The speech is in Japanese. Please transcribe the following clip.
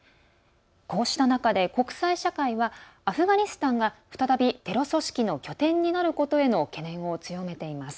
こうした中で国際社会はアフガニスタンが再びテロ組織の拠点になることへの懸念を強めています。